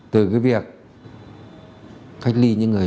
từ cái việc cách ly những người